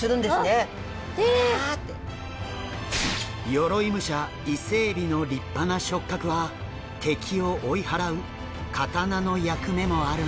鎧武者イセエビの立派な触角は敵を追い払う刀の役目もあるんです。